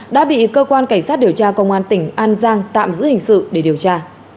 đã bị cơ quan cảnh sát điều tra công an tỉnh an giang tạm giữ hình sự để điều tra